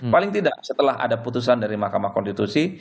paling tidak setelah ada putusan dari mahkamah konstitusi